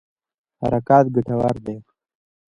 حرکت ګټور دی.